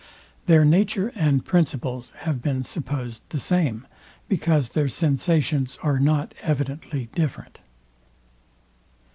Their nature and principles have been supposed the same, because their sensations are not evidently different.